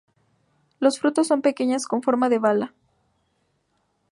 Los frutos son pequeñas con forma de bala.